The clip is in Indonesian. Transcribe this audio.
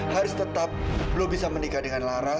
harus tetap belum bisa menikah dengan lara